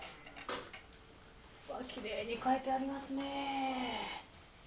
わあきれいに書いてありますね。